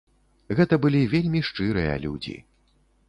Гэта былі вельмі шчырыя людзі.